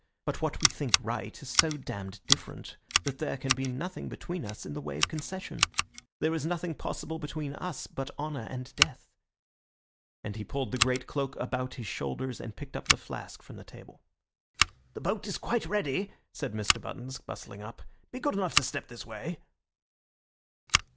But what we think right is so damned different that there can be nothing between us in the way of concession. There is nothing possible between us but honour and death," and he pulled the great cloak about his shoulders and picked up the flask from the table. "The boat is quite ready," said Mr. Buttons, bustling up. "Be good enough to step this way."